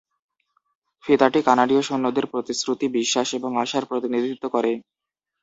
ফিতাটি কানাডীয় সৈন্যদের প্রতিশ্রুতি, বিশ্বাস এবং আশার প্রতিনিধিত্ব করে।